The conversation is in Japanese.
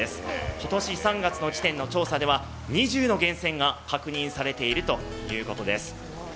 今年３月の時点の調査では２０の源泉が確認されているということです。